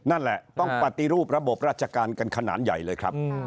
นั่นแหละต้องปฏิรูประบบราชการกันขนาดใหญ่เลยครับ